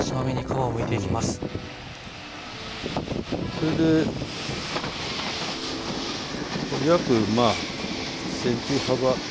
それで約１ｃｍ幅。